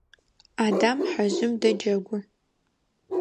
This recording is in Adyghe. Адам хьэжъым дэджэгу.